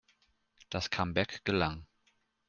Das Comeback gelang.